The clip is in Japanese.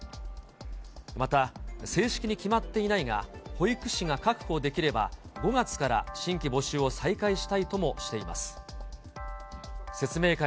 また、正式に決まっていないが、保育士が確保できれば、５月から新規募集を再開したいともしています。